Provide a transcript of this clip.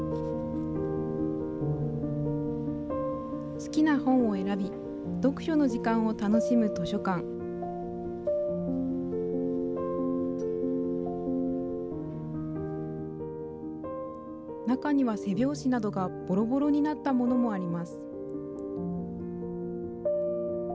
好きな本を選び読書の時間を楽しむ図書館中には背表紙などがボロボロになったものもあります